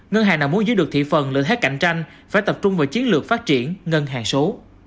ngân hàng nào muốn giữ được thị phần lợi thế cạnh tranh phải tập trung vào chiến lược phát triển ngân hàng số